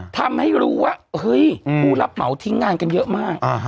ทำให้รู้ว่าเฮ้ยผู้รับเหมาทิ้งงานกันเยอะมาก